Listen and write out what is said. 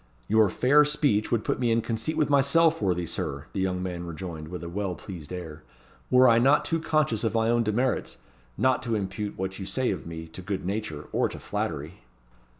"Your fair speech would put me in conceit with myself, worthy Sir," the young man rejoined with a well pleased air; "were I not too conscious of my own demerits, not to impute what you say of me to good nature, or to flattery."